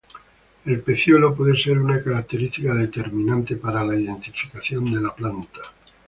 El pecíolo puede ser una característica determinante para la identificación de la planta.